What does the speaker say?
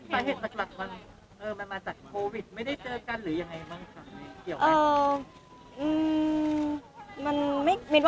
สาเหตุสักมันมาจากโควิดไม่ได้เจอกันหรือยังไงบ้างค่ะ